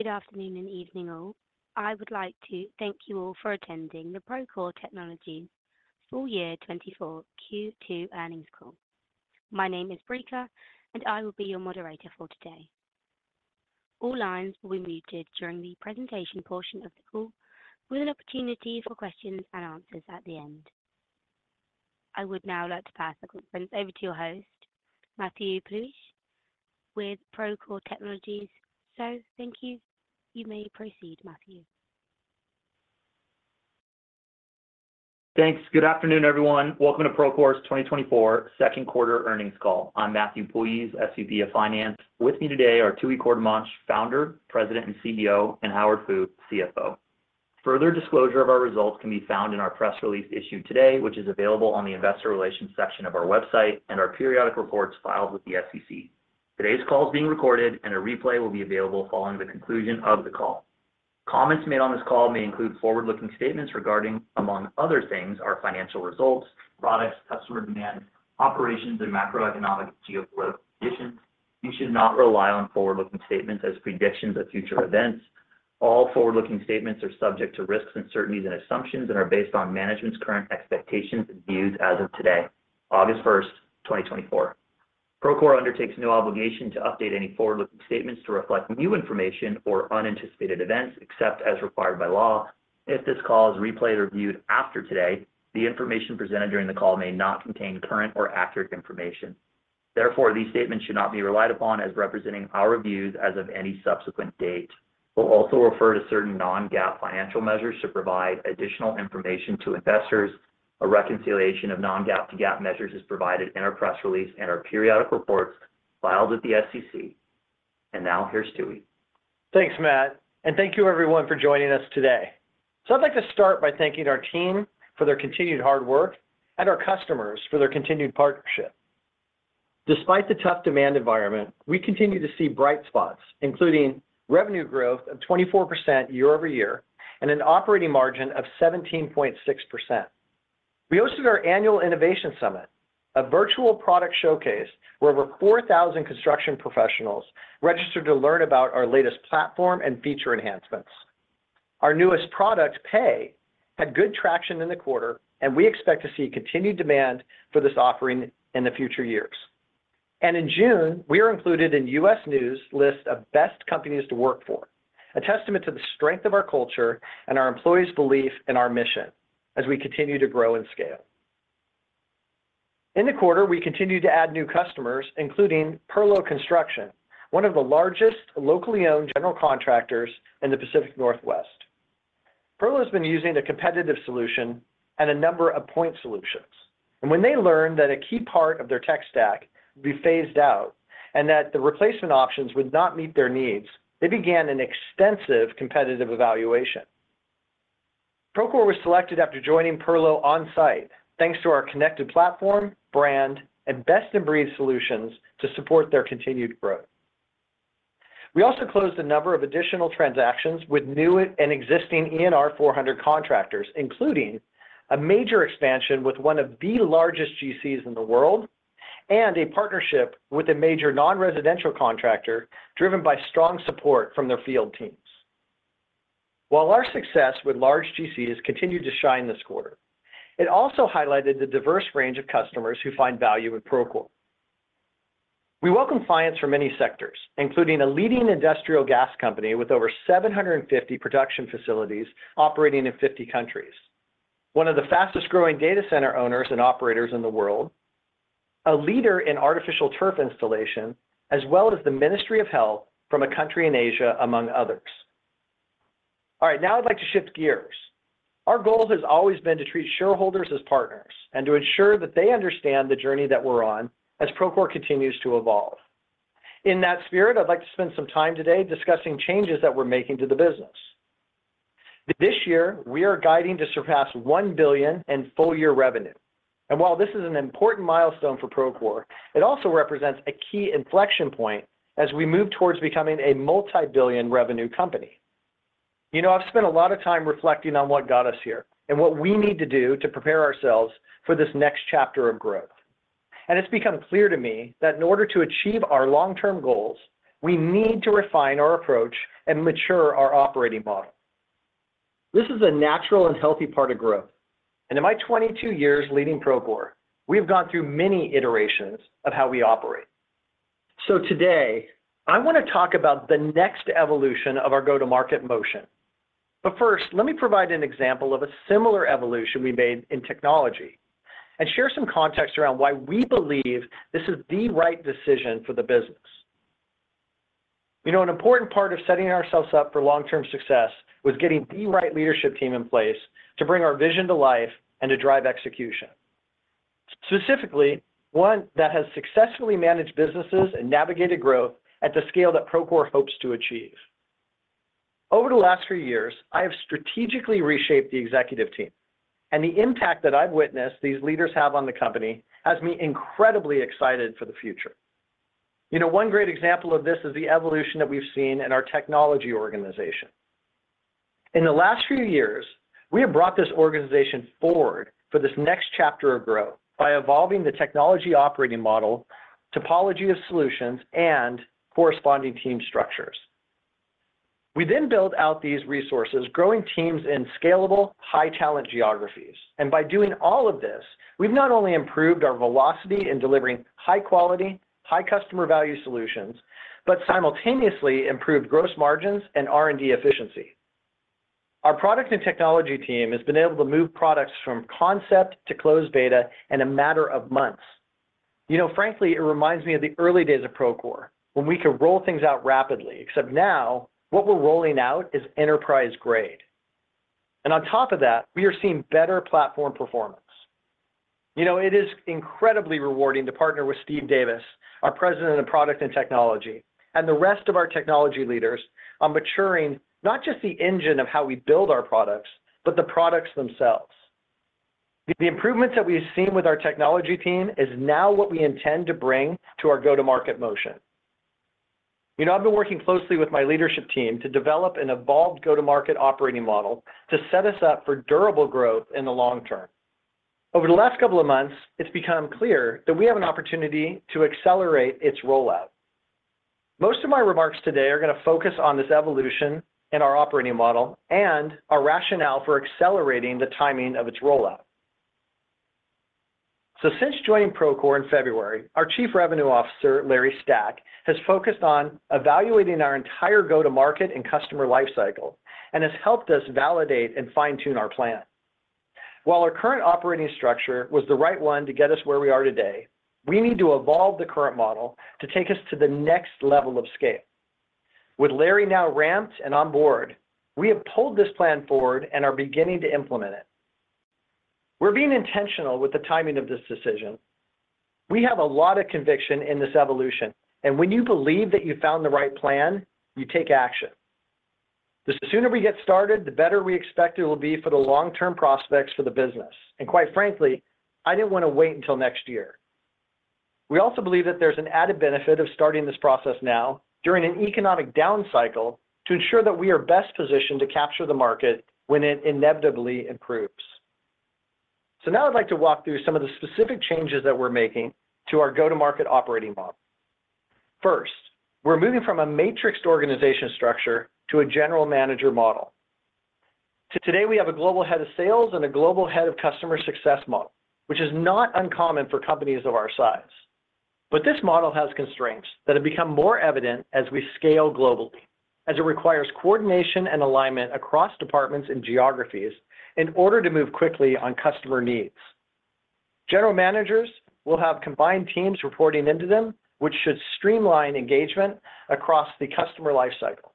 Good afternoon and evening, all. I would like to thank you all for attending the Procore Technologies full year 2024 Q2 Earnings Call. My name is Brika, and I will be your moderator for today. All lines will be muted during the presentation portion of the call, with an opportunity for questions and answers at the end. I would now like to pass the conference over to your host, Matthew Puljiz, with Procore Technologies. So thank you. You may proceed, Matthew. Thanks. Good afternoon, everyone. Welcome to Procore's 2024 Q2 earnings call. I'm Matthew Puljiz, SVP of Finance. With me today are Tooey Courtemanche, Founder, President, and CEO, and Howard Fu, CFO. Further disclosure of our results can be found in our press release issued today, which is available on the investor relations section of our website and our periodic reports filed with the SEC. Today's call is being recorded, and a replay will be available following the conclusion of the call. Comments made on this call may include forward-looking statements regarding, among other things, our financial results, products, customer demand, operations, and macroeconomic geopolitical conditions. You should not rely on forward-looking statements as predictions of future events. All forward-looking statements are subject to risks and uncertainties and assumptions that are based on management's current expectations and views as of today, August 1, 2024. Procore undertakes no obligation to update any forward-looking statements to reflect new information or unanticipated events, except as required by law. If this call is replayed or viewed after today, the information presented during the call may not contain current or accurate information. Therefore, these statements should not be relied upon as representing our views as of any subsequent date. We'll also refer to certain non-GAAP financial measures to provide additional information to investors. A reconciliation of non-GAAP to GAAP measures is provided in our press release and our periodic reports filed with the SEC. And now, here's Tooey. Thanks, Matt, and thank you everyone for joining us today. So I'd like to start by thanking our team for their continued hard work and our customers for their continued partnership. Despite the tough demand environment, we continue to see bright spots, including revenue growth of 24% year-over-year and an operating margin of 17.6%. We hosted our annual innovation summit, a virtual product showcase, where over 4,000 construction professionals registered to learn about our latest platform and feature enhancements. Our newest product, Pay, had good traction in the quarter, and we expect to see continued demand for this offering in the future years. In June, we are included in U.S. News list of best companies to work for, a testament to the strength of our culture and our employees' belief in our mission as we continue to grow and scale. In the quarter, we continued to add new customers, including Perlo Construction, one of the largest locally owned general contractors in the Pacific Northwest. Perlo has been using a competitive solution and a number of point solutions, and when they learned that a key part of their tech stack would be phased out and that the replacement options would not meet their needs, they began an extensive competitive evaluation. Procore was selected after joining Perlo on-site, thanks to our connected platform, brand, and best-in-breed solutions to support their continued growth. We also closed a number of additional transactions with new and existing ENR 400 contractors, including a major expansion with one of the largest GCs in the world and a partnership with a major non-residential contractor, driven by strong support from their field teams. While our success with large GCs continued to shine this quarter, it also highlighted the diverse range of customers who find value in Procore. We welcome clients from many sectors, including a leading industrial gas company with over 750 production facilities operating in 50 countries, one of the fastest-growing data center owners and operators in the world, a leader in artificial turf installation, as well as the Ministry of Health from a country in Asia, among others. All right, now I'd like to shift gears. Our goal has always been to treat shareholders as partners and to ensure that they understand the journey that we're on as Procore continues to evolve. In that spirit, I'd like to spend some time today discussing changes that we're making to the business. This year, we are guiding to surpass $1 billion in full-year revenue, and while this is an important milestone for Procore, it also represents a key inflection point as we move towards becoming a multi-billion revenue company. You know, I've spent a lot of time reflecting on what got us here and what we need to do to prepare ourselves for this next chapter of growth. It's become clear to me that in order to achieve our long-term goals, we need to refine our approach and mature our operating model. This is a natural and healthy part of growth, and in my 22 years leading Procore, we've gone through many iterations of how we operate. Today, I want to talk about the next evolution of our go-to-market motion. But first, let me provide an example of a similar evolution we made in technology and share some context around why we believe this is the right decision for the business. We know an important part of setting ourselves up for long-term success was getting the right leadership team in place to bring our vision to life and to drive execution. Specifically, one that has successfully managed businesses and navigated growth at the scale that Procore hopes to achieve. Over the last few years, I have strategically reshaped the executive team, and the impact that I've witnessed these leaders have on the company has me incredibly excited for the future. You know, one great example of this is the evolution that we've seen in our technology organization.... In the last few years, we have brought this organization forward for this next chapter of growth by evolving the technology operating model, topology of solutions, and corresponding team structures. We then build out these resources, growing teams in scalable, high-talent geographies. And by doing all of this, we've not only improved our velocity in delivering high quality, high customer value solutions, but simultaneously improved gross margins and R&D efficiency. Our product and technology team has been able to move products from concept to closed beta in a matter of months. You know, frankly, it reminds me of the early days of Procore, when we could roll things out rapidly, except now, what we're rolling out is enterprise-grade. And on top of that, we are seeing better platform performance. You know, it is incredibly rewarding to partner with Steve Davis, our President of Product and Technology, and the rest of our technology leaders on maturing not just the engine of how we build our products, but the products themselves. The improvements that we've seen with our technology team is now what we intend to bring to our go-to-market motion. You know, I've been working closely with my leadership team to develop an evolved go-to-market operating model to set us up for durable growth in the long term. Over the last couple of months, it's become clear that we have an opportunity to accelerate its rollout. Most of my remarks today are gonna focus on this evolution in our operating model and our rationale for accelerating the timing of its rollout. So since joining Procore in February, our Chief Revenue Officer, Larry Stack, has focused on evaluating our entire go-to-market and customer life cycle, and has helped us validate and fine-tune our plan. While our current operating structure was the right one to get us where we are today, we need to evolve the current model to take us to the next level of scale. With Larry now ramped and on board, we have pulled this plan forward and are beginning to implement it. We're being intentional with the timing of this decision. We have a lot of conviction in this evolution, and when you believe that you've found the right plan, you take action. The sooner we get started, the better we expect it will be for the long-term prospects for the business. And quite frankly, I didn't wanna wait until next year. We also believe that there's an added benefit of starting this process now, during an economic down cycle, to ensure that we are best positioned to capture the market when it inevitably improves. So now I'd like to walk through some of the specific changes that we're making to our go-to-market operating model. First, we're moving from a matrixed organization structure to a general manager model. Today, we have a global head of sales and a global head of customer success model, which is not uncommon for companies of our size. But this model has constraints that have become more evident as we scale globally, as it requires coordination and alignment across departments and geographies in order to move quickly on customer needs. General managers will have combined teams reporting into them, which should streamline engagement across the customer life cycle.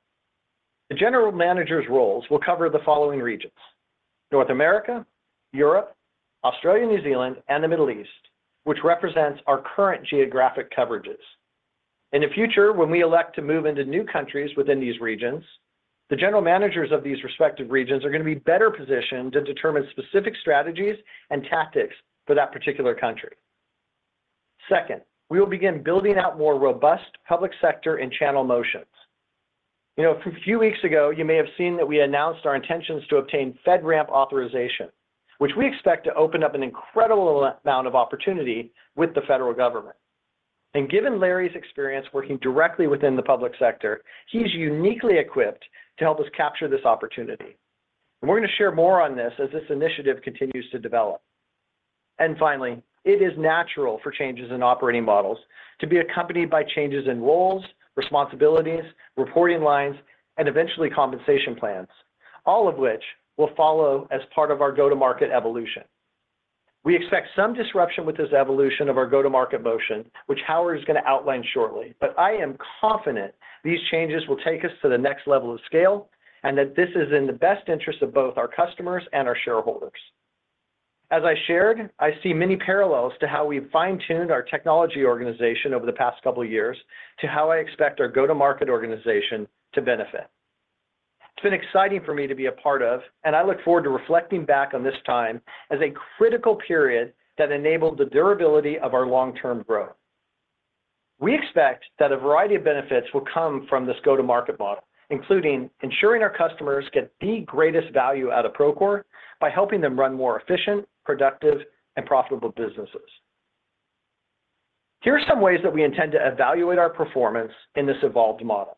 The general managers' roles will cover the following regions: North America, Europe, Australia, New Zealand, and the Middle East, which represents our current geographic coverages. In the future, when we elect to move into new countries within these regions, the general managers of these respective regions are gonna be better positioned to determine specific strategies and tactics for that particular country. Second, we will begin building out more robust public sector and channel motions. You know, a few weeks ago, you may have seen that we announced our intentions to obtain FedRAMP authorization, which we expect to open up an incredible amount of opportunity with the federal government. And given Larry's experience working directly within the public sector, he's uniquely equipped to help us capture this opportunity. And we're gonna share more on this as this initiative continues to develop. Finally, it is natural for changes in operating models to be accompanied by changes in roles, responsibilities, reporting lines, and eventually compensation plans, all of which will follow as part of our go-to-market evolution. We expect some disruption with this evolution of our go-to-market motion, which Howard is gonna outline shortly. I am confident these changes will take us to the next level of scale, and that this is in the best interest of both our customers and our shareholders. As I shared, I see many parallels to how we've fine-tuned our technology organization over the past couple of years to how I expect our go-to-market organization to benefit. It's been exciting for me to be a part of, and I look forward to reflecting back on this time as a critical period that enabled the durability of our long-term growth. We expect that a variety of benefits will come from this go-to-market model, including ensuring our customers get the greatest value out of Procore by helping them run more efficient, productive, and profitable businesses. Here are some ways that we intend to evaluate our performance in this evolved model.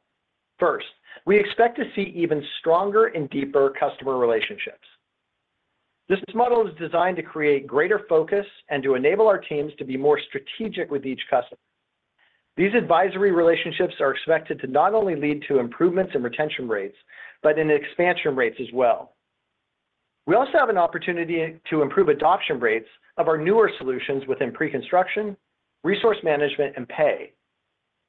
First, we expect to see even stronger and deeper customer relationships. This model is designed to create greater focus and to enable our teams to be more strategic with each customer. These advisory relationships are expected to not only lead to improvements in retention rates, but in expansion rates as well. We also have an opportunity to improve adoption rates of our newer solutions within Preconstruction, Resource Management, and pay.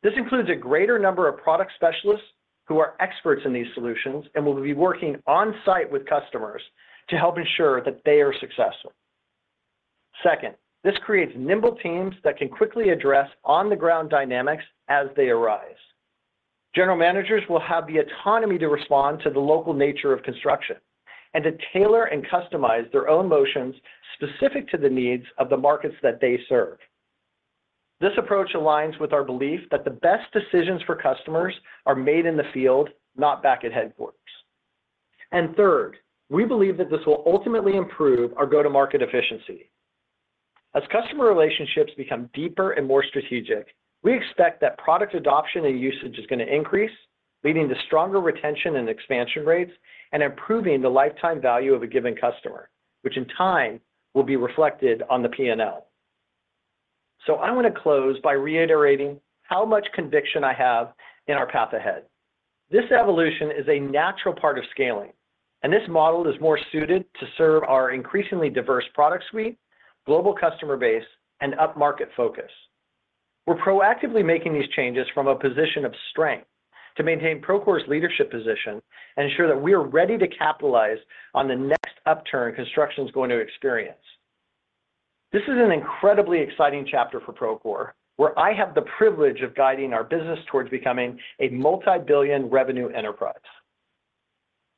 This includes a greater number of product specialists who are experts in these solutions and will be working on-site with customers to help ensure that they are successful. Second, this creates nimble teams that can quickly address on-the-ground dynamics as they arise. General managers will have the autonomy to respond to the local nature of construction and to tailor and customize their own motions specific to the needs of the markets that they serve.... This approach aligns with our belief that the best decisions for customers are made in the field, not back at headquarters. Third, we believe that this will ultimately improve our go-to-market efficiency. As customer relationships become deeper and more strategic, we expect that product adoption and usage is going to increase, leading to stronger retention and expansion rates and improving the lifetime value of a given customer, which in time will be reflected on the P&L. I want to close by reiterating how much conviction I have in our path ahead. This evolution is a natural part of scaling, and this model is more suited to serve our increasingly diverse product suite, global customer base, and upmarket focus. We're proactively making these changes from a position of strength to maintain Procore's leadership position and ensure that we are ready to capitalize on the next upturn construction is going to experience. This is an incredibly exciting chapter for Procore, where I have the privilege of guiding our business towards becoming a multi-billion revenue enterprise.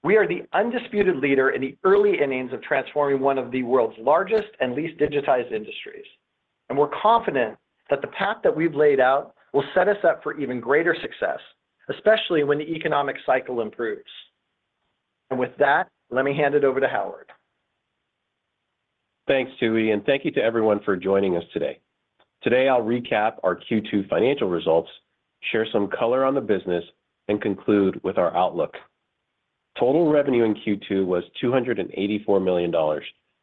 We are the undisputed leader in the early innings of transforming one of the world's largest and least digitized industries, and we're confident that the path that we've laid out will set us up for even greater success, especially when the economic cycle improves. With that, let me hand it over to Howard. Thanks, Tooey, and thank you to everyone for joining us today. Today, I'll recap our Q2 financial results, share some color on the business, and conclude with our outlook. Total revenue in Q2 was $284 million,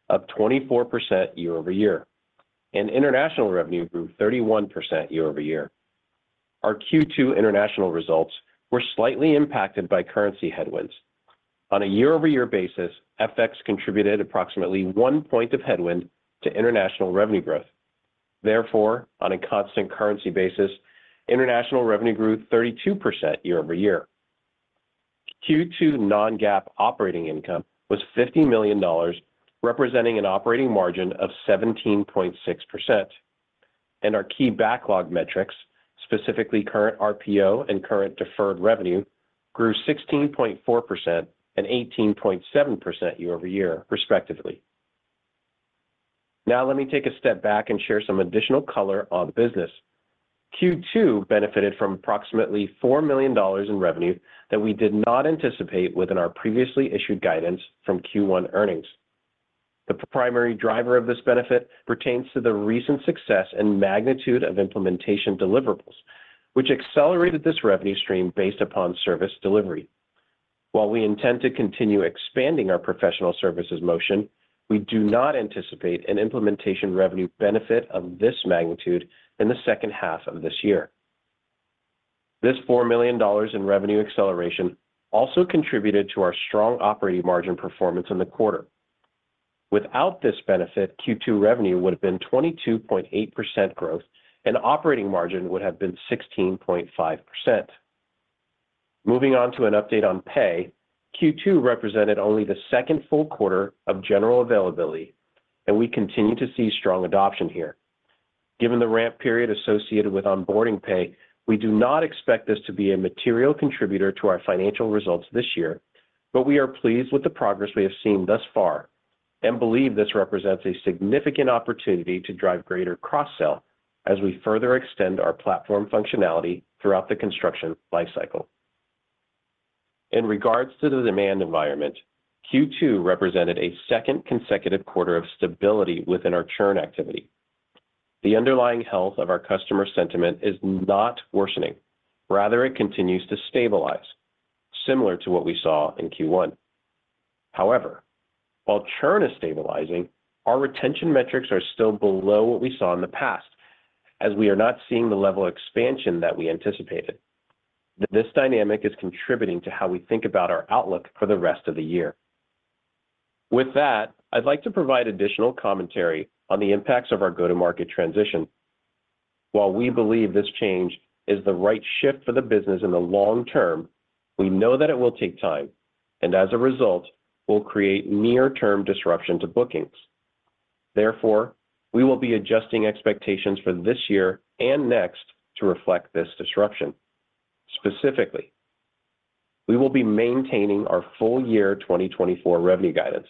up 24% year-over-year, and international revenue grew 31% year-over-year. Our Q2 international results were slightly impacted by currency headwinds. On a year-over-year basis, FX contributed approximately 1 point of headwind to international revenue growth. Therefore, on a constant currency basis, international revenue grew 32% year-over-year. Q2 Non-GAAP operating income was $50 million, representing an operating margin of 17.6%, and our key backlog metrics, specifically current RPO and current deferred revenue, grew 16.4% and 18.7% year-over-year, respectively. Now, let me take a step back and share some additional color on the business. Q2 benefited from approximately $4 million in revenue that we did not anticipate within our previously issued guidance from Q1 earnings. The primary driver of this benefit pertains to the recent success and magnitude of implementation deliverables, which accelerated this revenue stream based upon service delivery. While we intend to continue expanding our professional services motion, we do not anticipate an implementation revenue benefit of this magnitude in the second half of this year. This $4 million in revenue acceleration also contributed to our strong operating margin performance in the quarter. Without this benefit, Q2 revenue would have been 22.8% growth and operating margin would have been 16.5%. Moving on to an update on Pay, Q2 represented only the second full quarter of general availability, and we continue to see strong adoption here. Given the ramp period associated with onboarding Pay, we do not expect this to be a material contributor to our financial results this year, but we are pleased with the progress we have seen thus far and believe this represents a significant opportunity to drive greater cross-sell as we further extend our platform functionality throughout the construction lifecycle. In regards to the demand environment, Q2 represented a second consecutive quarter of stability within our churn activity. The underlying health of our customer sentiment is not worsening, rather, it continues to stabilize, similar to what we saw in Q1. However, while churn is stabilizing, our retention metrics are still below what we saw in the past, as we are not seeing the level of expansion that we anticipated. This dynamic is contributing to how we think about our outlook for the rest of the year. With that, I'd like to provide additional commentary on the impacts of our go-to-market transition. While we believe this change is the right shift for the business in the long term, we know that it will take time, and as a result, will create near-term disruption to bookings. Therefore, we will be adjusting expectations for this year and next to reflect this disruption. Specifically, we will be maintaining our full year 2024 revenue guidance.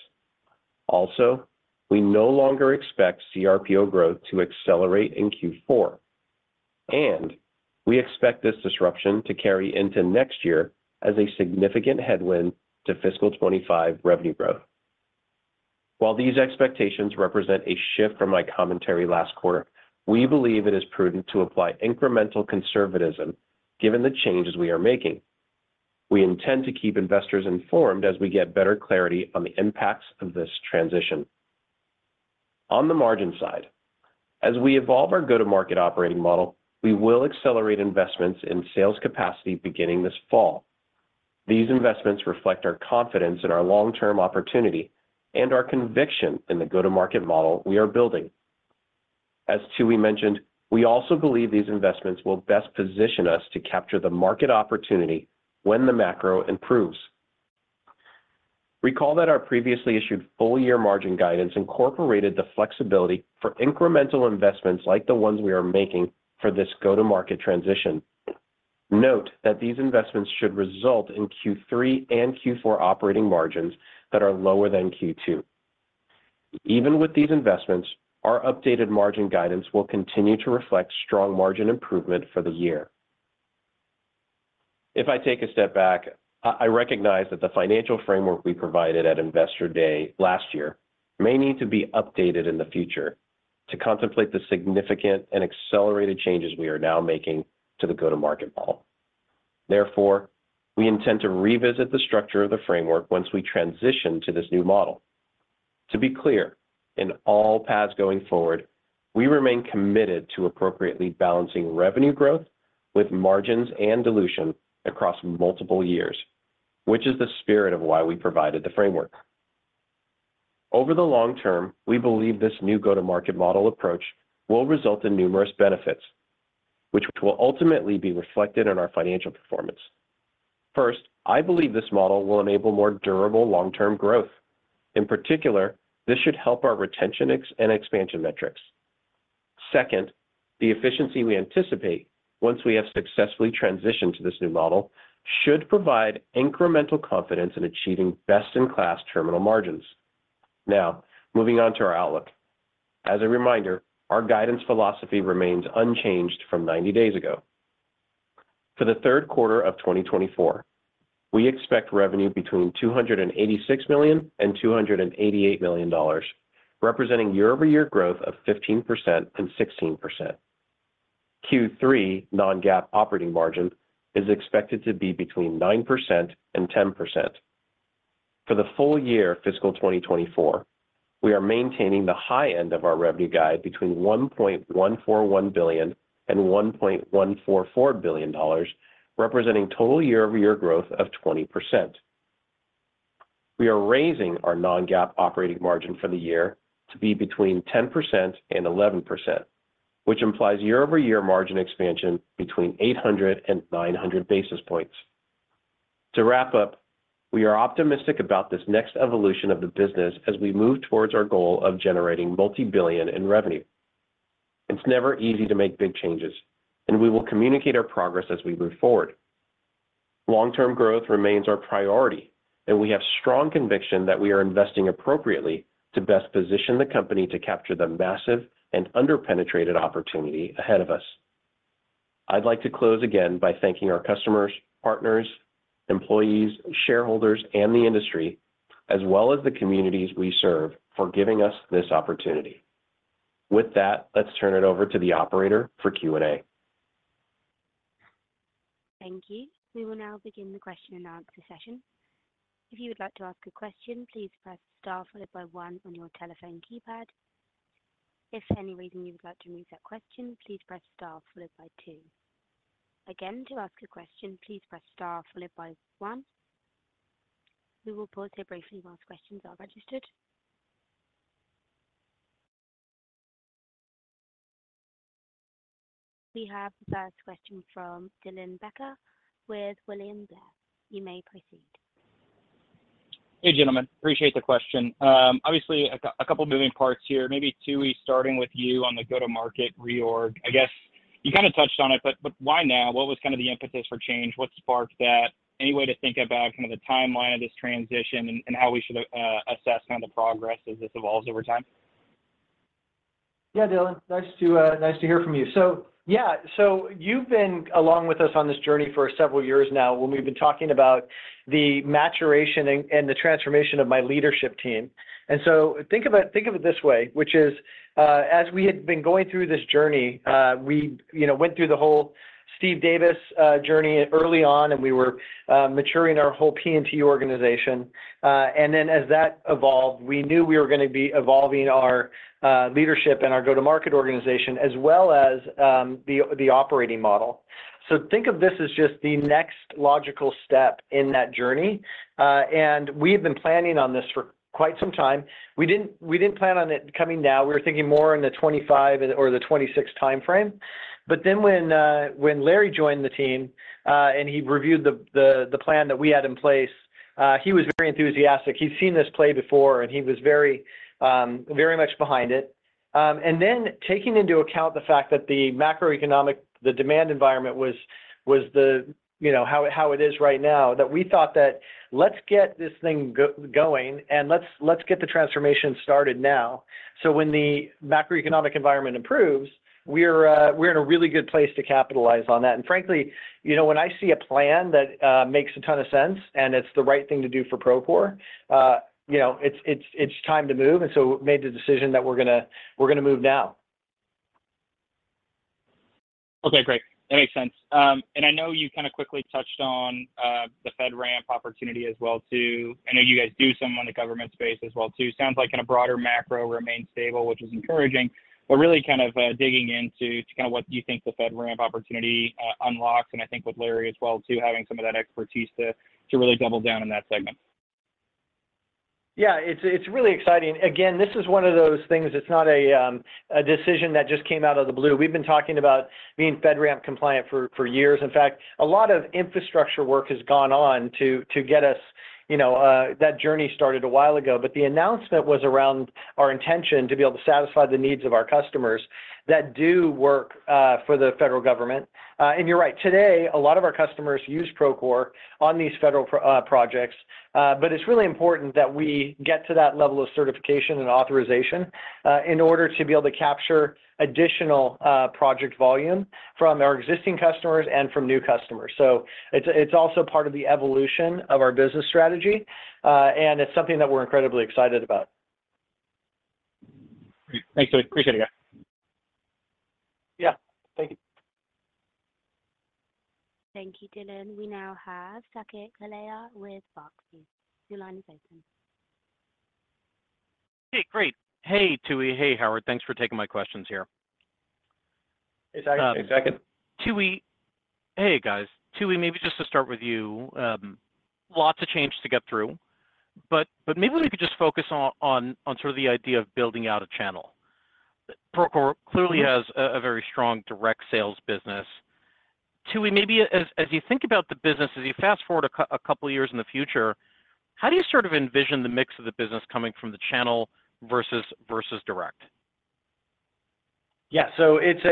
Also, we no longer expect CRPO growth to accelerate in Q4, and we expect this disruption to carry into next year as a significant headwind to fiscal 2025 revenue growth. While these expectations represent a shift from my commentary last quarter, we believe it is prudent to apply incremental conservatism given the changes we are making. We intend to keep investors informed as we get better clarity on the impacts of this transition. On the margin side, as we evolve our go-to-market operating model, we will accelerate investments in sales capacity beginning this fall. These investments reflect our confidence in our long-term opportunity and our conviction in the go-to-market model we are building. As Tooey mentioned, we also believe these investments will best position us to capture the market opportunity when the macro improves. Recall that our previously issued full-year margin guidance incorporated the flexibility for incremental investments like the ones we are making for this go-to-market transition. Note that these investments should result in Q3 and Q4 operating margins that are lower than Q2. Even with these investments, our updated margin guidance will continue to reflect strong margin improvement for the year. If I take a step back, I recognize that the financial framework we provided at Investor Day last year may need to be updated in the future to contemplate the significant and accelerated changes we are now making to the go-to-market model. Therefore, we intend to revisit the structure of the framework once we transition to this new model. To be clear, in all paths going forward, we remain committed to appropriately balancing revenue growth with margins and dilution across multiple years, which is the spirit of why we provided the framework. Over the long term, we believe this new go-to-market model approach will result in numerous benefits, which will ultimately be reflected in our financial performance. First, I believe this model will enable more durable long-term growth. In particular, this should help our retention ex- and expansion metrics. Second, the efficiency we anticipate once we have successfully transitioned to this new model should provide incremental confidence in achieving best-in-class terminal margins. Now, moving on to our outlook. As a reminder, our guidance philosophy remains unchanged from 90 days ago. For the Q3 of 2024, we expect revenue between $286 million and $288 million, representing year-over-year growth of 15% and 16%. Q3 non-GAAP operating margin is expected to be between 9% and 10%. For the full year fiscal 2024, we are maintaining the high end of our revenue guide between $1.141 billion and $1.144 billion, representing total year-over-year growth of 20%. We are raising our non-GAAP operating margin for the year to be between 10% and 11%, which implies year-over-year margin expansion between 800 and 900 basis points. To wrap up, we are optimistic about this next evolution of the business as we move towards our goal of generating multi-billion in revenue. It's never easy to make big changes, and we will communicate our progress as we move forward. Long-term growth remains our priority, and we have strong conviction that we are investing appropriately to best position the company to capture the massive and under-penetrated opportunity ahead of us. I'd like to close again by thanking our customers, partners, employees, shareholders, and the industry, as well as the communities we serve, for giving us this opportunity. With that, let's turn it over to the operator for Q&A. Thank you. We will now begin the Q&A session. If you would like to ask a question, please press Star followed by one on your telephone keypad. If for any reason you would like to remove that question, please press Star followed by two. Again, to ask a question, please press Star followed by one. We will pause here briefly while questions are registered. We have the first question from Dylan Becker with William Blair. You may proceed. Hey, gentlemen, appreciate the question. Obviously, a couple moving parts here, maybe, Tooey, starting with you on the go-to-market reorg. I guess you kinda touched on it, but why now? What was kind of the impetus for change? What sparked that? Any way to think about kind of the timeline of this transition and how we should assess kind of the progress as this evolves over time? Yeah, Dylan, nice to, nice to hear from you. So, yeah, so you've been along with us on this journey for several years now, when we've been talking about the maturation and the transformation of my leadership team. So think of it this way, which is, as we had been going through this journey, we, you know, went through the whole Steve Davis journey early on, and we were maturing our whole P&T organization. And then as that evolved, we knew we were gonna be evolving our leadership and our go-to-market organization, as well as the operating model. So think of this as just the next logical step in that journey. And we've been planning on this for quite some time. We didn't, we didn't plan on it coming now. We were thinking more in the 25 or the 26 timeframe. But then when Larry joined the team, and he reviewed the plan that we had in place, he was very enthusiastic. He's seen this play before, and he was very, very much behind it. And then taking into account the fact that the macroeconomic, the demand environment was, you know, how it is right now, that we thought that, "Let's get this thing going, and let's get the transformation started now, so when the macroeconomic environment improves, we're in a really good place to capitalize on that." And frankly, you know, when I see a plan that makes a ton of sense and it's the right thing to do for Procore, you know, it's time to move, and so we made the decision that we're gonna move now. Okay, great. That makes sense. And I know you kinda quickly touched on the FedRAMP opportunity as well too. I know you guys do some on the government space as well too. Sounds like in a broader macro remains stable, which is encouraging, but really kind of digging into to kind of what you think the FedRAMP opportunity unlocks, and I think with Larry as well too, having some of that expertise to really double down in that segment. Yeah, it's really exciting. Again, this is one of those things. It's not a decision that just came out of the blue. We've been talking about being FedRAMP compliant for years. In fact, a lot of infrastructure work has gone on to get us-... you know, that journey started a while ago, but the announcement was around our intention to be able to satisfy the needs of our customers that do work for the federal government. And you're right. Today, a lot of our customers use Procore on these federal projects. But it's really important that we get to that level of certification and authorization in order to be able to capture additional project volume from our existing customers and from new customers. So it's also part of the evolution of our business strategy, and it's something that we're incredibly excited about. Great. Thanks, guys. Appreciate it, guys. Yeah, thank you. Thank you, Dylan. We now have Saket Kalia with Barclays. Your line is open. Hey, great. Hey, Tooey. Hey, Howard. Thanks for taking my questions here. Hey, Saket. Hey, Saket. Tooey... Hey, guys. Tooey, maybe just to start with you, lots of changes to get through, but, but maybe we could just focus on, on, on sort of the idea of building out a channel. Procore- Mm-hmm ...clearly has a very strong direct sales business. Tooey, maybe as you think about the business, as you fast-forward a couple of years in the future, how do you sort of envision the mix of the business coming from the channel versus direct? Yeah. So it's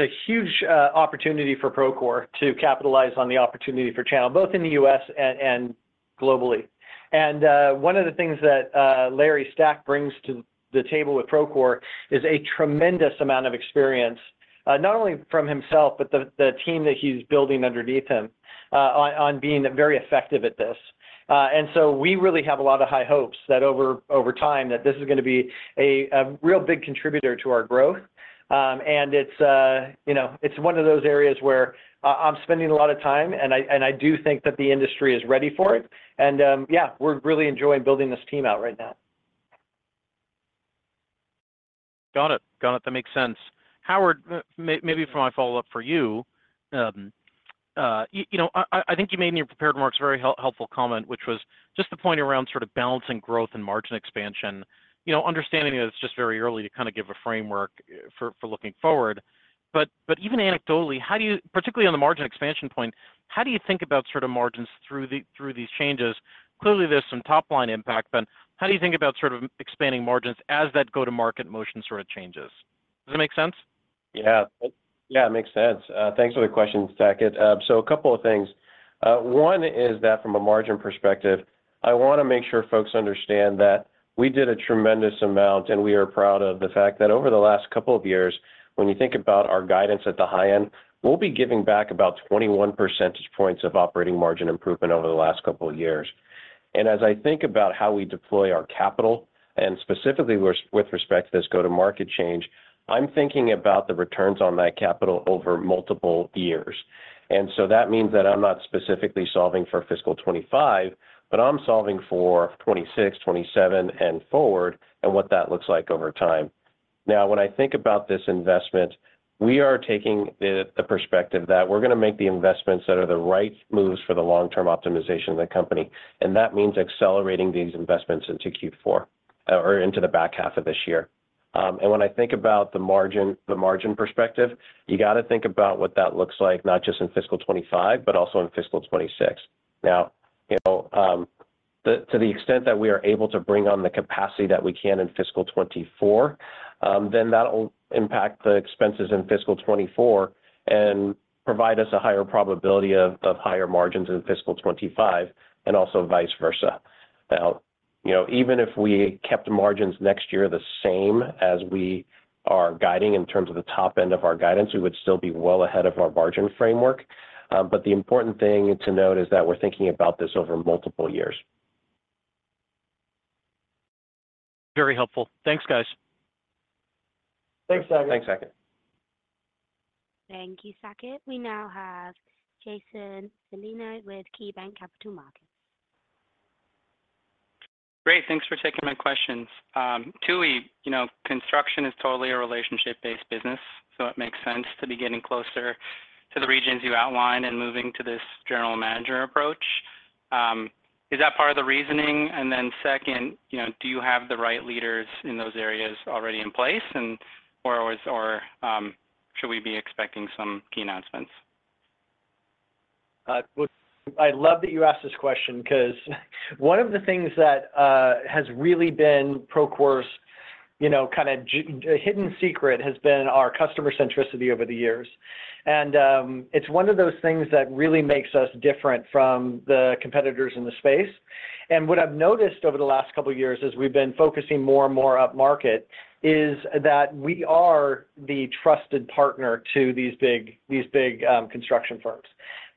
a huge opportunity for Procore to capitalize on the opportunity for channel, both in the US and globally. And one of the things that Larry Stack brings to the table with Procore is a tremendous amount of experience, not only from himself, but the team that he's building underneath him, on being very effective at this. And so we really have a lot of high hopes that over time, that this is gonna be a real big contributor to our growth. And it's, you know, it's one of those areas where I'm spending a lot of time, and I do think that the industry is ready for it, and yeah, we're really enjoying building this team out right now. Got it. Got it. That makes sense. Howard, maybe for my follow-up for you, you know, I think you made in your prepared remarks a very helpful comment, which was just the point around sort of balancing growth and margin expansion. You know, understanding that it's just very early to kind of give a framework for looking forward, but even anecdotally, how do you, particularly on the margin expansion point, think about sort of margins through these changes? Clearly, there's some top-line impact, but how do you think about sort of expanding margins as that go-to-market motion sort of changes? Does that make sense? Yeah. Yeah, it makes sense. Thanks for the question, Saket. So a couple of things. One is that from a margin perspective, I wanna make sure folks understand that we did a tremendous amount, and we are proud of the fact that over the last couple of years, when you think about our guidance at the high end, we'll be giving back about 21 percentage points of operating margin improvement over the last couple of years. And as I think about how we deploy our capital, and specifically with respect to this go-to-market change, I'm thinking about the returns on that capital over multiple years. And so that means that I'm not specifically solving for fiscal 2025, but I'm solving for 2026, 2027, and forward, and what that looks like over time. Now, when I think about this investment, we are taking the perspective that we're gonna make the investments that are the right moves for the long-term optimization of the company, and that means accelerating these investments into Q4 or into the back half of this year. And when I think about the margin, the margin perspective, you gotta think about what that looks like, not just in fiscal 2025, but also in fiscal 26. Now, you know, to the extent that we are able to bring on the capacity that we can in fiscal 24, then that'll impact the expenses in fiscal 24 and provide us a higher probability of higher margins in fiscal 2025, and also vice versa. Now, you know, even if we kept the margins next year the same as we are guiding in terms of the top end of our guidance, we would still be well ahead of our margin framework. But the important thing to note is that we're thinking about this over multiple years. Very helpful. Thanks, guys. Thanks, Saket. Thanks, Saket. Thank you, Saket. We now have Jason Celino with KeyBanc Capital Markets. Great, thanks for taking my questions. Tooey, you know, construction is totally a relationship-based business, so it makes sense to be getting closer to the regions you outlined and moving to this general manager approach. Is that part of the reasoning? And then second, you know, do you have the right leaders in those areas already in place, and or should we be expecting some key announcements? Look, I love that you asked this question because one of the things that has really been Procore's, you know, kind of hidden secret has been our customer centricity over the years. And it's one of those things that really makes us different from the competitors in the space. And what I've noticed over the last couple of years as we've been focusing more and more up market, is that we are the trusted partner to these big, these big construction firms.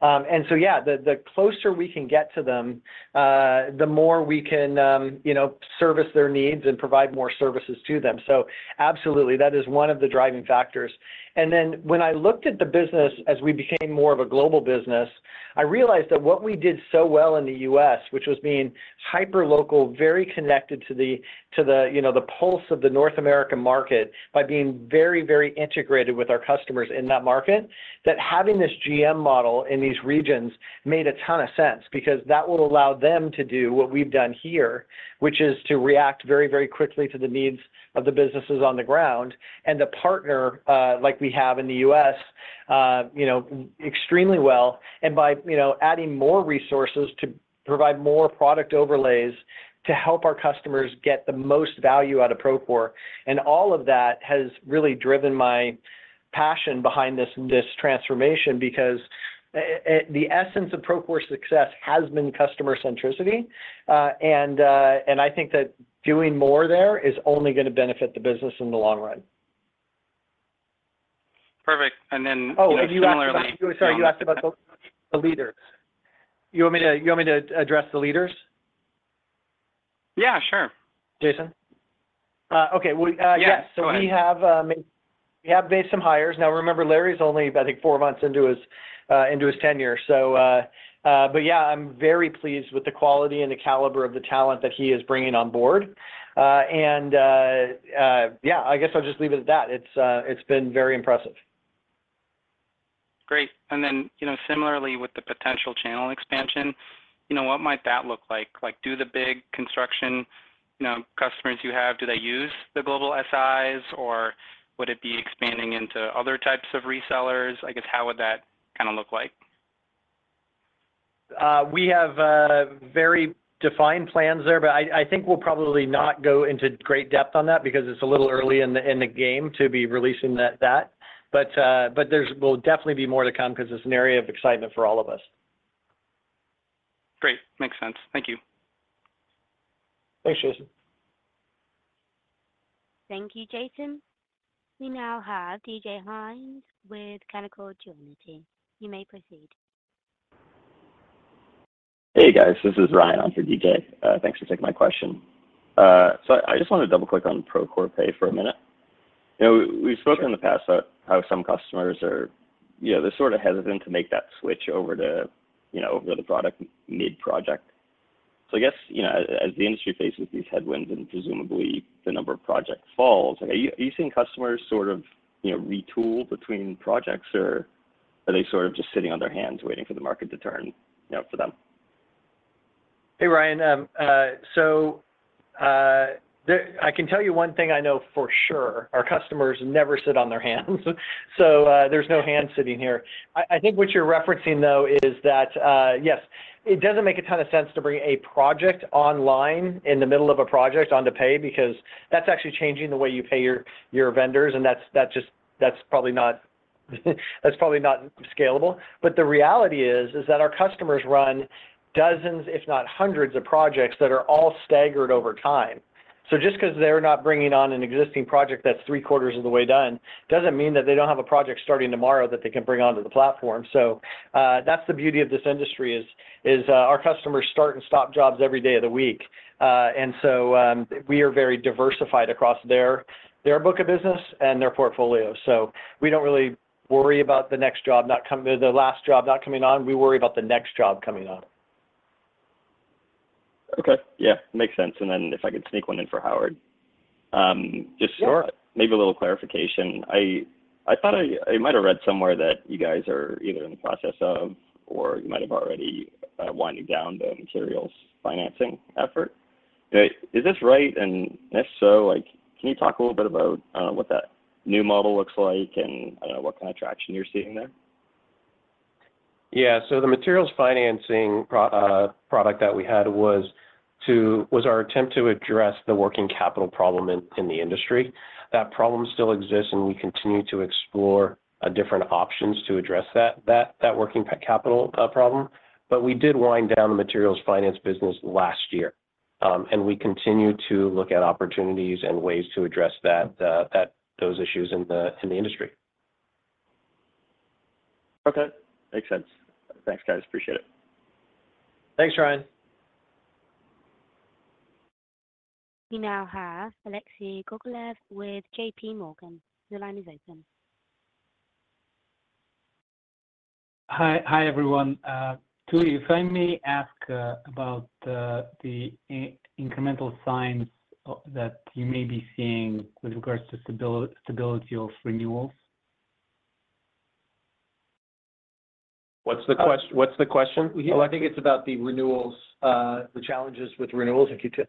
And so yeah, the closer we can get to them, the more we can, you know, service their needs and provide more services to them. So absolutely, that is one of the driving factors. And then when I looked at the business as we became more of a global business, I realized that what we did so well in the U.S., which was being hyper local, very connected to the, to the, you know, the pulse of the North American market by being very, very integrated with our customers in that market, that having this GM model in these regions made a ton of sense because that will allow them to do what we've done here, which is to react very, very quickly to the needs of the businesses on the ground, and to partner, like we have in the U.S., you know, extremely well, and by, you know, adding more resources to provide more product overlays to help our customers get the most value out of Procore. All of that has really driven my passion behind this, this transformation because the essence of Procore's success has been customer centricity. I think that doing more there is only gonna benefit the business in the long run. Perfect. And then, oh, similarly- Sorry, you asked about the leaders. You want me to address the leaders? Yeah, sure. Jason? Okay. Well, yes- Go ahead. So we have made some hires. Now, remember, Larry's only, I think, four months into his tenure. So, but yeah, I'm very pleased with the quality and the caliber of the talent that he is bringing on board. And yeah, I guess I'll just leave it at that. It's been very impressive. Great. And then, you know, similarly, with the potential channel expansion, you know, what might that look like? Like, do the big construction, you know, customers you have, do they use the global SIs, or would it be expanding into other types of resellers? I guess, how would that kinda look like? We have very defined plans there, but I think we'll probably not go into great depth on that because it's a little early in the game to be releasing that. But there will definitely be more to come 'cause it's an area of excitement for all of us. Great. Makes sense. Thank you. Thanks, Jason. Thank you, Jason. We now have DJ Hynes with Canaccord Genuity. You may proceed. Hey, guys. This is Ryan on for DJ. Thanks for taking my question. So I just wanted to double-click on Procore Pay for a minute. You know, we've spoken in the past about how some customers are, you know, they're sort of hesitant to make that switch over to, you know, over the product mid-project. So I guess, you know, as the industry faces these headwinds and presumably the number of projects falls, are you seeing customers sort of, you know, retool between projects, or are they sort of just sitting on their hands waiting for the market to turn, you know, for them? Hey, Ryan. I can tell you one thing I know for sure, our customers never sit on their hands. So, there's no hand sitting here. I, I think what you're referencing, though, is that, yes, it doesn't make a ton of sense to bring a project online in the middle of a project onto Pay, because that's actually changing the way you pay your, your vendors, and that's, that just, that's probably not, that's probably not scalable. But the reality is, is that our customers run dozens, if not hundreds of projects that are all staggered over time. So just 'cause they're not bringing on an existing project that's three quarters of the way done, doesn't mean that they don't have a project starting tomorrow that they can bring onto the platform. So, that's the beauty of this industry, is our customers start and stop jobs every day of the week. And so, we are very diversified across their their book of business and their portfolio. So we don't really worry about the next job not coming, the last job not coming on, we worry about the next job coming on. Okay. Yeah, makes sense. And then if I could sneak one in for Howard, just- Sure... maybe a little clarification. I, I thought I, I might have read somewhere that you guys are either in the process of, or you might have already, winding down the materials financing effort. Is this right? And if so, like, can you talk a little bit about what that new model looks like, and what kind of traction you're seeing there? Yeah, so the materials financing product that we had was our attempt to address the working capital problem in the industry. That problem still exists, and we continue to explore different options to address that working capital problem. But we did wind down the materials finance business last year. And we continue to look at opportunities and ways to address that those issues in the industry. Okay. Makes sense. Thanks, guys. Appreciate it. Thanks, Ryan. We now have Alexei Gogolev with JP Morgan. Your line is open. Hi, everyone. Tooey, if I may ask, about the incremental signs that you may be seeing with regards to stability of renewals? What's the question? Oh, I think it's about the renewals, the challenges with renewals, if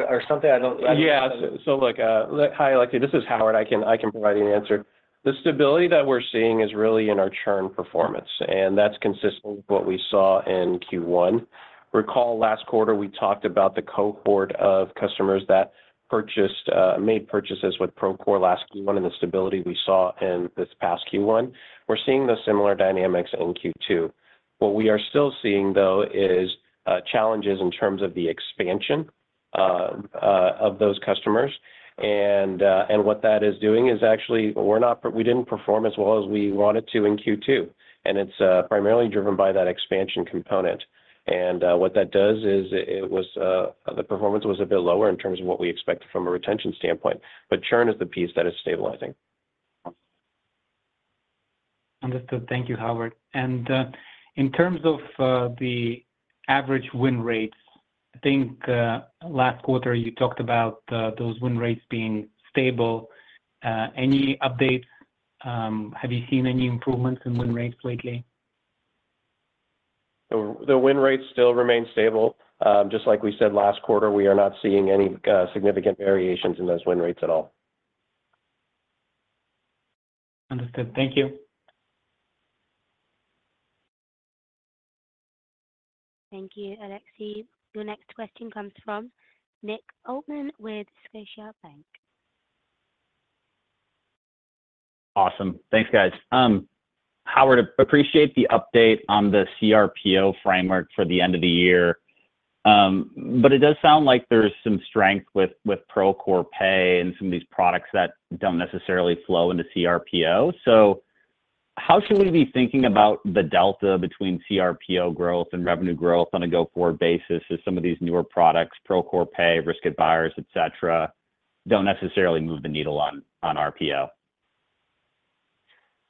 you could... Or something, I don't- Yeah. So look, hi, Alexei. This is Howard. I can, I can provide the answer. The stability that we're seeing is really in our churn performance, and that's consistent with what we saw in Q1. Recall last quarter, we talked about the cohort of customers that purchased, made purchases with Procore last Q1, and the stability we saw in this past Q1. We're seeing the similar dynamics in Q2. What we are still seeing, though, is challenges in terms of the expansion of those customers. And, and what that is doing is actually, we didn't perform as well as we wanted to in Q2, and it's primarily driven by that expansion component. What that does is, it was the performance was a bit lower in terms of what we expected from a retention standpoint, but churn is the piece that is stabilizing. Understood. Thank you, Howard. In terms of the average win rates, I think last quarter you talked about those win rates being stable. Any updates? Have you seen any improvements in win rates lately?... The win rates still remain stable. Just like we said last quarter, we are not seeing any significant variations in those win rates at all. Understood. Thank you. Thank you, Alexei. Your next question comes from Nick Altmann with Scotiabank. Awesome. Thanks, guys. Howard, appreciate the update on the CRPO framework for the end of the year. But it does sound like there's some strength with, with Procore Pay and some of these products that don't necessarily flow into CRPO. So how should we be thinking about the delta between CRPO growth and revenue growth on a go-forward basis as some of these newer products, Procore Pay, Risk Advisors, et cetera, don't necessarily move the needle on, on RPO?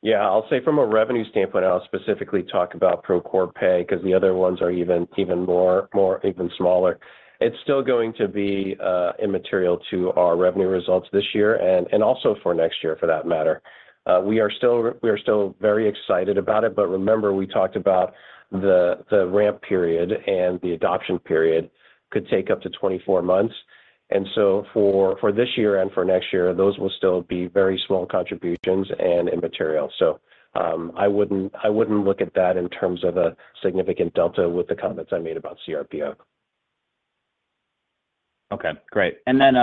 Yeah, I'll say from a revenue standpoint, and I'll specifically talk about Procore Pay, 'cause the other ones are even more smaller. It's still going to be immaterial to our revenue results this year and also for next year, for that matter. We are still very excited about it, but remember, we talked about the ramp period and the adoption period could take up to 24 months. And so for this year and for next year, those will still be very small contributions and immaterial. So, I wouldn't look at that in terms of a significant delta with the comments I made about CRPO. Okay, great. And then,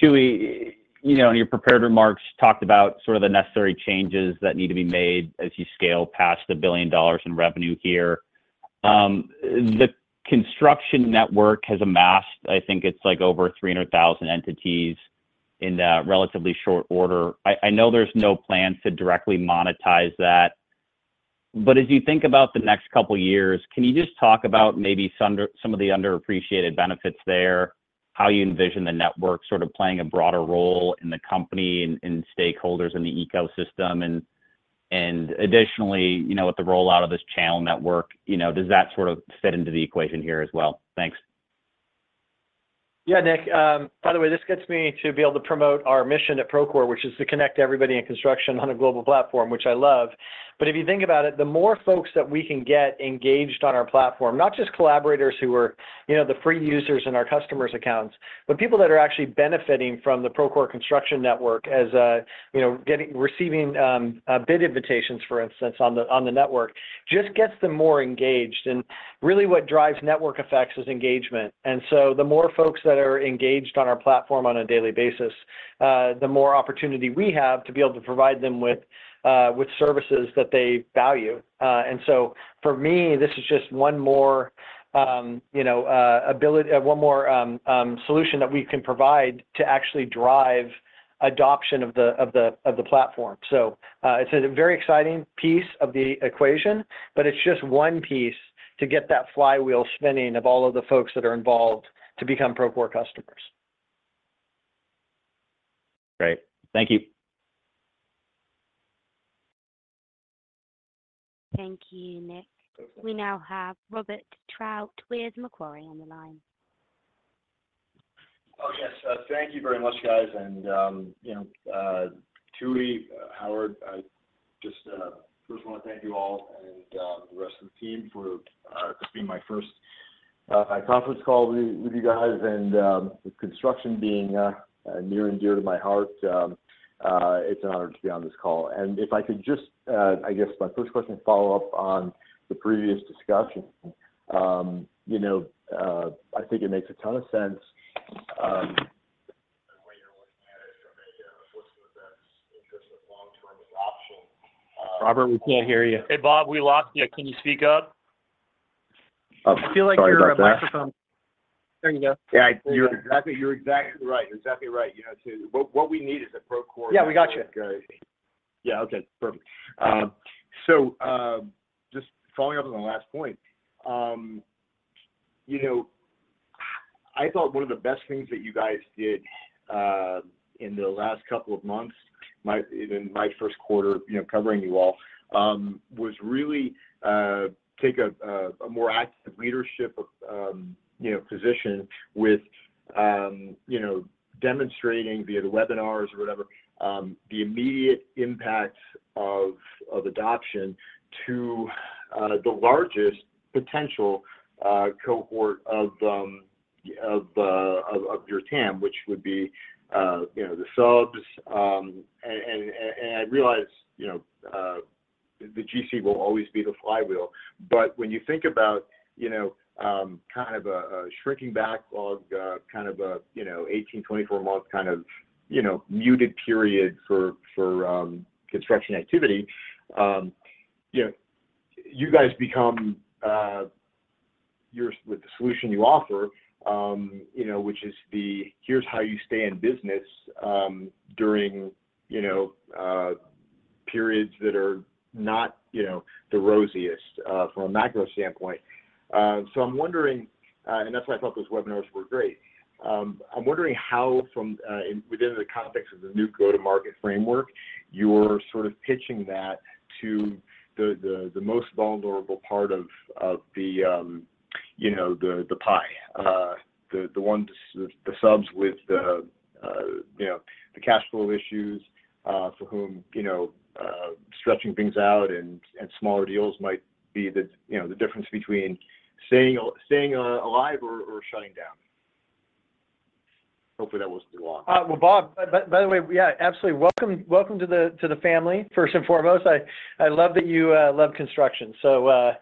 Tooey, you know, in your prepared remarks, talked about sort of the necessary changes that need to be made as you scale past $1 billion in revenue here. The construction network has amassed, I think it's like over 300,000 entities in that relatively short order. I know there's no plans to directly monetize that, but as you think about the next couple of years, can you just talk about maybe some of the underappreciated benefits there, how you envision the network sort of playing a broader role in the company and stakeholders in the ecosystem? And additionally, you know, with the rollout of this channel network, you know, does that sort of fit into the equation here as well? Thanks. Yeah, Nick. By the way, this gets me to be able to promote our mission at Procore, which is to connect everybody in construction on a global platform, which I love. But if you think about it, the more folks that we can get engaged on our platform, not just collaborators who are, you know, the free users in our customers' accounts, but people that are actually benefiting from the Procore Construction Network as, you know, getting—receiving bid invitations, for instance, on the, on the network, just gets them more engaged. And really what drives network effects is engagement. And so the more folks that are engaged on our platform on a daily basis, the more opportunity we have to be able to provide them with with services that they value. And so for me, this is just one more, you know, solution that we can provide to actually drive adoption of the platform. So, it's a very exciting piece of the equation, but it's just one piece to get that flywheel spinning of all of the folks that are involved to become Procore customers. Great. Thank you. Thank you, Nick. We now have Robert Trout with Macquarie on the line. Oh, yes, thank you very much, guys. And, you know, Tooey, Howard, I just first want to thank you all and the rest of the team for this being my first conference call with you, with you guys. And, with construction being near and dear to my heart, it's an honor to be on this call. And if I could just... I guess my first question to follow up on the previous discussion, you know, I think it makes a ton of sense, the way you're looking at it from a, you know, a perspective that's interested with long-term adoption. Robert, we can't hear you. Hey, Bob, we lost you. Can you speak up? Oh, sorry about that. I feel like your microphone... There you go. Yeah, you're exactly right. You're exactly right. You know, what we need is a Procore- Yeah, we got you. Yeah, okay, perfect. So, just following up on the last point, you know, I thought one of the best things that you guys did in the last couple of months in my Q1, you know, covering you all, was really take a more active leadership, you know, position with, you know, demonstrating via the webinars or whatever, the immediate impact of adoption to the largest potential cohort of your TAM, which would be, you know, the subs. I realize, you know, the GC will always be the flywheel, but when you think about, you know, kind of a shrinking backlog, kind of a, you know, 18-24-month kind of, you know, muted period for construction activity, you know, you guys become with the solution you offer, you know, which is the, "Here's how you stay in business," during, you know, periods that are not, you know, the rosiest from a macro standpoint. So I'm wondering, and that's why I thought those webinars were great. I'm wondering how from within the context of the new go-to-market framework, you're sort of pitching that to the most vulnerable part of the construction-... you know, the pie, the ones, the subs with the, you know, the cash flow issues, for whom, you know, stretching things out and smaller deals might be the, you know, the difference between staying alive or shutting down. Hopefully, that wasn't too long. Well, Bob, by the way, yeah, absolutely. Welcome to the family, first and foremost. I love that you love construction. So,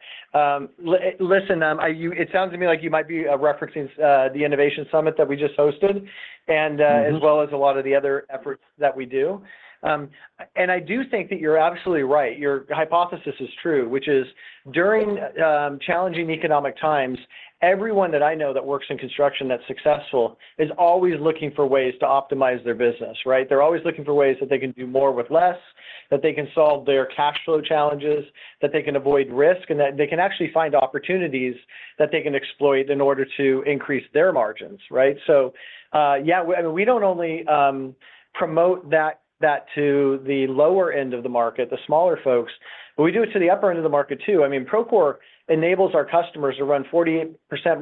listen, I... You it sounds to me like you might be referencing the Innovation Summit that we just hosted, and Mm-hmm... as well as a lot of the other efforts that we do. And I do think that you're absolutely right. Your hypothesis is true, which is during challenging economic times, everyone that I know that works in construction that's successful is always looking for ways to optimize their business, right? They're always looking for ways that they can do more with less, that they can solve their cash flow challenges, that they can avoid risk, and that they can actually find opportunities that they can exploit in order to increase their margins, right? So, yeah, I mean, we don't only promote that to the lower end of the market, the smaller folks, but we do it to the upper end of the market, too. I mean, Procore enables our customers to run 48%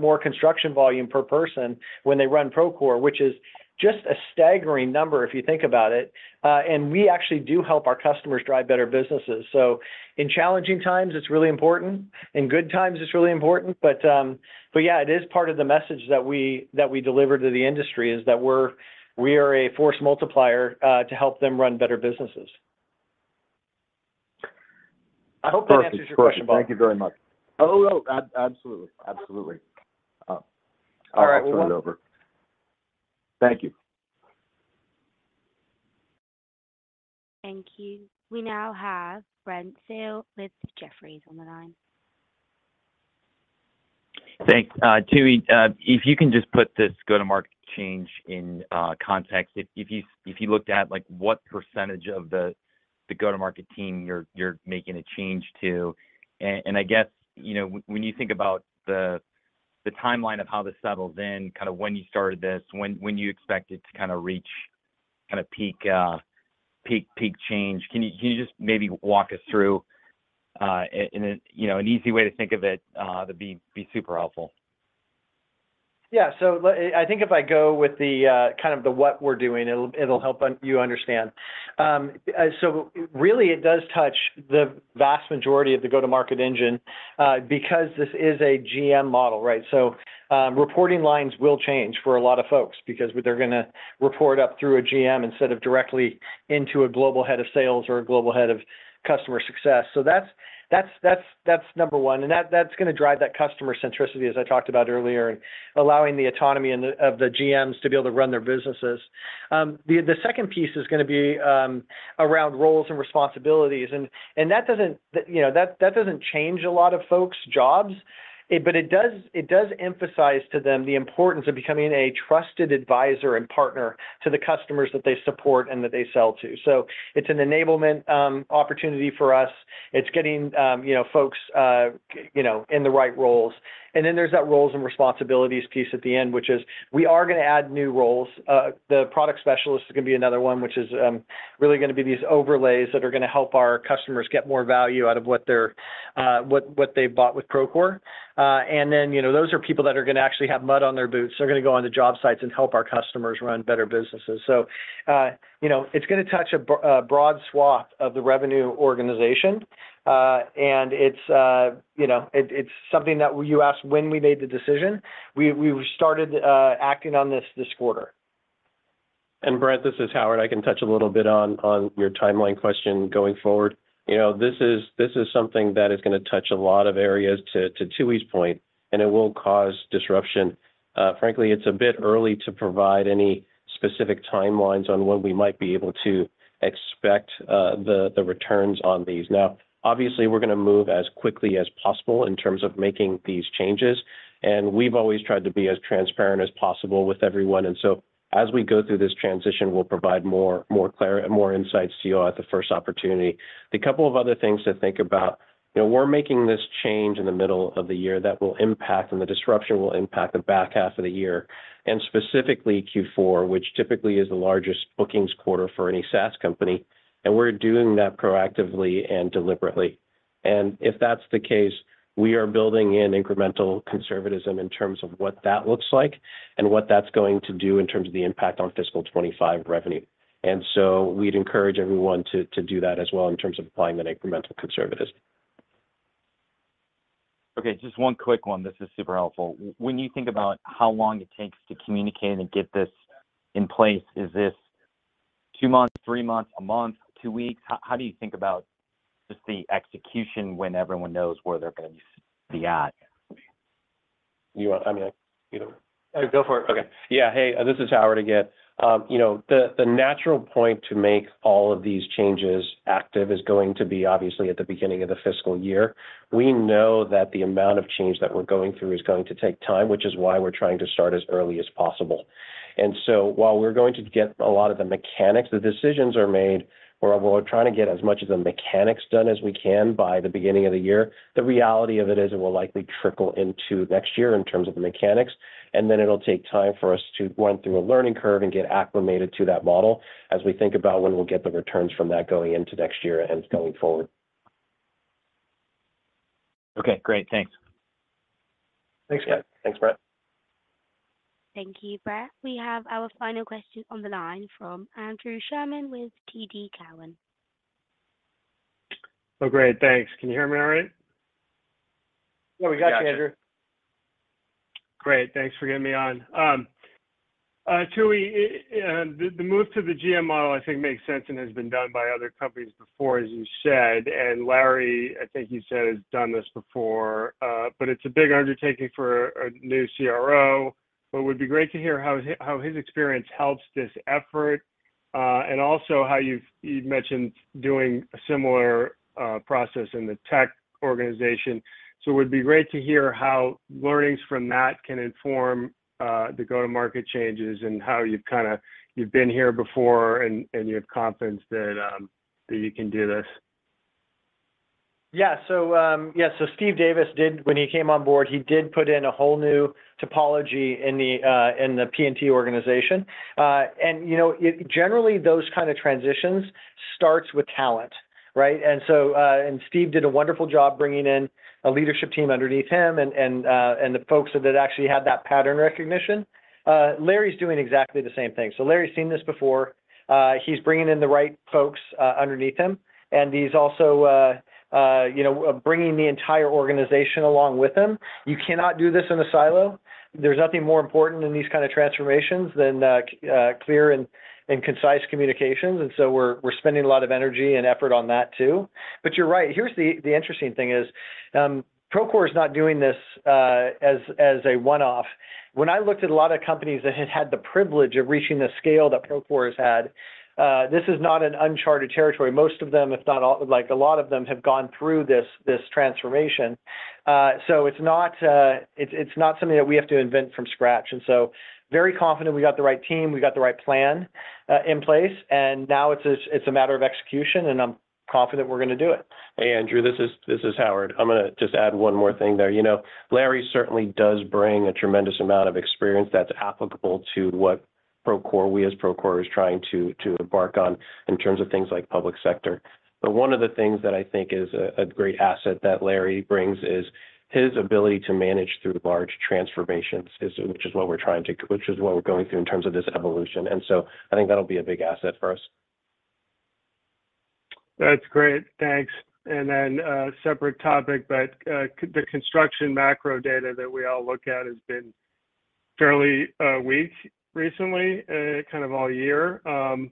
more construction volume per person when they run Procore, which is just a staggering number, if you think about it. And we actually do help our customers drive better businesses. So in challenging times, it's really important. In good times, it's really important. But yeah, it is part of the message that we deliver to the industry, is that we are a force multiplier, to help them run better businesses. I hope that answers your question, Bob. Perfect. Thank you very much. Oh, no, absolutely. Absolutely. All right. I'll turn it over. Thank you. Thank you. We now have Brent Thill with Jefferies on the line. Thanks. Tooey, if you can just put this go-to-market change in context, if you looked at, like, what percentage of the go-to-market team you're making a change to. And I guess, you know, when you think about the timeline of how this settles in, kind of when you started this, when you expect it to kind of reach kind of peak change, can you just maybe walk us through in a, you know, an easy way to think of it, that'd be super helpful? Yeah. So let me - I think if I go with the kind of what we're doing, it'll help you understand. So really it does touch the vast majority of the go-to-market engine because this is a GM model, right? So reporting lines will change for a lot of folks because they're gonna report up through a GM instead of directly into a global head of sales or a global head of customer success. So that's number one, and that's gonna drive that customer centricity, as I talked about earlier, allowing the autonomy of the GMs to be able to run their businesses. The second piece is gonna be around roles and responsibilities. That doesn't change a lot of folks' jobs, you know, but it does emphasize to them the importance of becoming a trusted adviser and partner to the customers that they support and that they sell to. So it's an enablement opportunity for us. It's getting you know, folks, you know, in the right roles. And then there's that roles and responsibilities piece at the end, which is we are gonna add new roles. The product specialist is gonna be another one, which is really gonna be these overlays that are gonna help our customers get more value out of what they've bought with Procore. And then, you know, those are people that are gonna actually have mud on their boots. They're gonna go on the job sites and help our customers run better businesses. So, you know, it's gonna touch a broad swath of the revenue organization, and it's, you know, it's something that... You asked when we made the decision. We started acting on this, this quarter. And, Brent, this is Howard. I can touch a little bit on your timeline question going forward. You know, this is something that is gonna touch a lot of areas, to Tooey's point, and it will cause disruption. Frankly, it's a bit early to provide any specific timelines on when we might be able to expect the returns on these. Now, obviously, we're gonna move as quickly as possible in terms of making these changes, and we've always tried to be as transparent as possible with everyone. And so as we go through this transition, we'll provide more insights to you at the first opportunity. The couple of other things to think about: you know, we're making this change in the middle of the year that will impact, and the disruption will impact the back half of the year, and specifically Q4, which typically is the largest bookings quarter for any SaaS company, and we're doing that proactively and deliberately. And if that's the case, we are building in incremental conservatism in terms of what that looks like and what that's going to do in terms of the impact on fiscal 25 revenue. And so we'd encourage everyone to do that as well in terms of applying that incremental conservatism. Okay, just one quick one. This is super helpful. When you think about how long it takes to communicate and get this in place, is this two months, three months, a month, two weeks? How, how do you think about just the execution when everyone knows where they're gonna be at? You want-- I mean, you- Go for it. Okay. Yeah. Hey, this is Howard again. You know, the natural point to make all of these changes active is going to be obviously at the beginning of the fiscal year. We know that the amount of change that we're going through is going to take time, which is why we're trying to start as early as possible. And so while we're going to get a lot of the mechanics, the decisions are made, we're trying to get as much of the mechanics done as we can by the beginning of the year. The reality of it is it will likely trickle into next year in terms of the mechanics, and then it'll take time for us to run through a learning curve and get acclimated to that model as we think about when we'll get the returns from that going into next year and going forward.... Okay, great. Thanks. Thanks, guys. Thanks, Brent. Thank you, Brent. We have our final question on the line from Andrew Sherman with TD Cowen. Oh, great. Thanks. Can you hear me all right? Yeah, we got you, Andrew. Great. Thanks for getting me on. Tooey, the move to the GM model, I think, makes sense and has been done by other companies before, as you said, and Larry, I think you said, has done this before. But it's a big undertaking for a new CRO, but it would be great to hear how his experience helps this effort, and also how you've mentioned doing a similar process in the tech organization. So it would be great to hear how learnings from that can inform the go-to-market changes and how you've kinda been here before and you have confidence that you can do this. Yeah. So, yeah, so Steve Davis did. When he came on board, he did put in a whole new topology in the P&T organization. And, you know, it generally, those kind of transitions starts with talent, right? And so, and Steve did a wonderful job bringing in a leadership team underneath him and, and the folks that actually had that pattern recognition. Larry's doing exactly the same thing. So Larry's seen this before. He's bringing in the right folks underneath him, and he's also, you know, bringing the entire organization along with him. You cannot do this in a silo. There's nothing more important in these kind of transformations than clear and concise communications, and so we're spending a lot of energy and effort on that, too. But you're right. Here's the interesting thing is, Procore is not doing this as a one-off. When I looked at a lot of companies that had had the privilege of reaching the scale that Procore has had, this is not an uncharted territory. Most of them, if not all, like, a lot of them, have gone through this transformation. So it's not, it's not something that we have to invent from scratch, and so very confident we got the right team, we got the right plan in place, and now it's a matter of execution, and I'm confident we're gonna do it. Hey, Andrew, this is Howard. I'm gonna just add one more thing there. You know, Larry certainly does bring a tremendous amount of experience that's applicable to what Procore, we, as Procore, is trying to embark on in terms of things like public sector. But one of the things that I think is a great asset that Larry brings is his ability to manage through large transformations, which is what we're going through in terms of this evolution, and so I think that'll be a big asset for us. That's great. Thanks. And then, separate topic, but, the construction macro data that we all look at has been fairly, weak recently, kind of all year.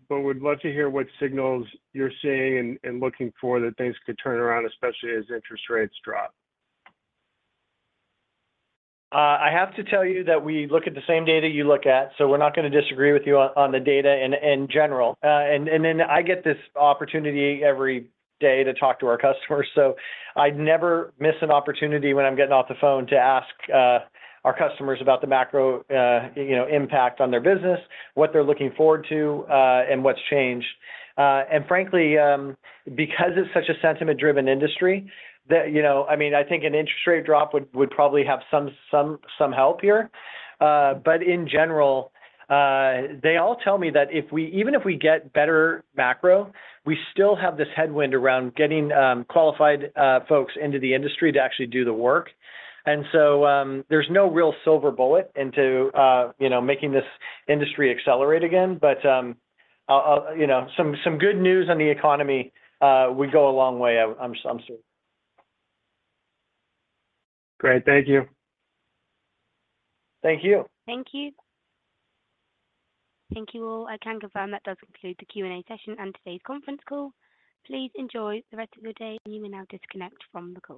But we'd love to hear what signals you're seeing and, and looking for that things could turn around, especially as interest rates drop. I have to tell you that we look at the same data you look at, so we're not gonna disagree with you on the data in general. And then I get this opportunity every day to talk to our customers, so I never miss an opportunity when I'm getting off the phone to ask our customers about the macro, you know, impact on their business, what they're looking forward to, and what's changed. And frankly, because it's such a sentiment-driven industry, that, you know, I mean, I think an interest rate drop would probably have some help here. But in general, they all tell me that if we- even if we get better macro, we still have this headwind around getting qualified folks into the industry to actually do the work. And so, there's no real silver bullet into, you know, making this industry accelerate again. But, you know, some good news on the economy would go a long way, I'm sure. Great. Thank you. Thank you. Thank you. Thank you, all. I can confirm that does conclude the Q&A session and today's conference call. Please enjoy the rest of your day, and you may now disconnect from the call.